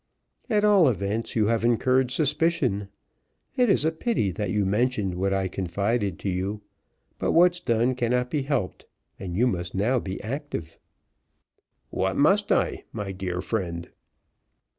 "At all events, you have incurred suspicion. It is a pity that you mentioned what I confided to you, but what's done cannot be helped, you must now be active." "What must I do, my dear friend?"